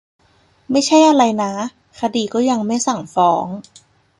ไม่ใช่อะไรนะ คดีก็ยังไม่สั่งฟ้อง